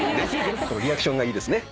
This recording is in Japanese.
このリアクションがいいですね。